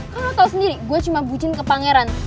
kan lo tau sendiri gue cuma bucin ke pangeran